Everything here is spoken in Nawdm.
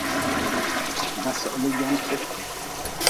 Ba sohli jonte.